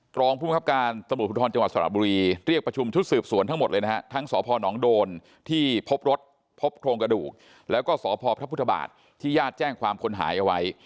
กรองผู้บังคับการสมุดพลุทธรรมจังหวัดสหรับบุรี